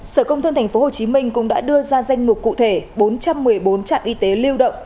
sở công thương tp hcm cũng đã đưa ra danh mục cụ thể bốn trăm một mươi bốn trạm y tế lưu động